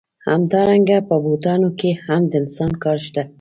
همدارنګه په بوټانو کې هم د انسان کار شته